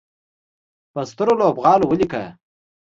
په سترو لوبغالو ولیکه